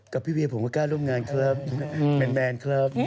กับพี่เวียผมก็กล้าร่วมงานครับแมนครับ